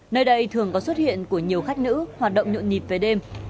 nơi đây thường có xuất hiện của nhiều khách nữ hoạt động nhộn nhịp về đêm